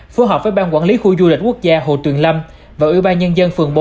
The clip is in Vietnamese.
phù hợp với ban quản lý khu du lịch quốc gia hồ tuyền lâm và ủy ban nhân dân phường bốn